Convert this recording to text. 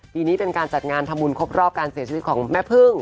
ปีนี้เป็นการจัดงานทะมุลครบรอบการเสียชีศิษย์ของแม่เพลง